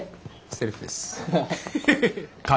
セルフです。